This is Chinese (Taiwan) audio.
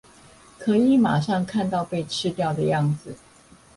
可以馬上看到被吃掉的樣子